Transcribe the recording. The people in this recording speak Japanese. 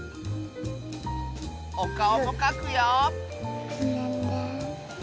おかおもかくよ！